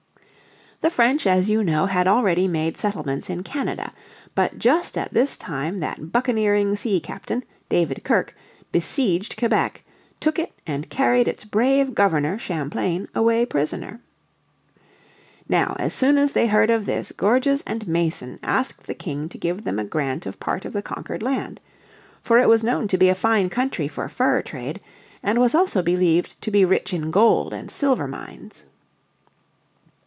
The French, as you know, had already made settlements in Canada, But just at this time that buccaneering sea captain, David Kirke, besieged Quebec, took it and carried its brave governor, Champlain, away prisoner. Now, as soon as they heard of this Gorges and Mason asked the King to give them a grant of part of the conquered land, for it was known to be a fine country for fur trade, and was also believed to be rich in gold and silver mines.